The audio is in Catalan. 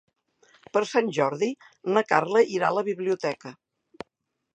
Per Sant Jordi na Carla irà a la biblioteca.